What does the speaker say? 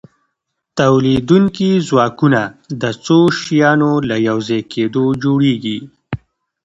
تولیدونکي ځواکونه د څو شیانو له یوځای کیدو جوړیږي.